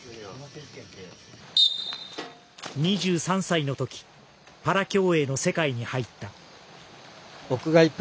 ２３歳のときパラ競泳の世界に入った。